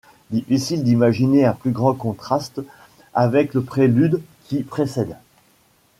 Difficile d'imaginer un plus grand contraste avec le prélude qui précède.